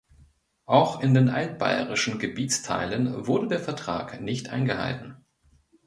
Auch in den altbayerischen Gebietsteilen wurde der Vertrag nicht eingehalten.